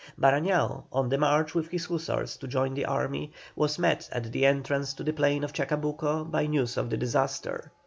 Barañao, on the march with his hussars to join the army, was met at the entrance to the plain of Chacabuco by news of the disaster.